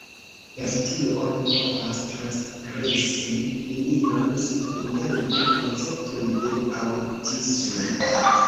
Per tiu oni povas transgresi linion inter du konceptoj de aŭtismo.